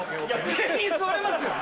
全員座れますよね？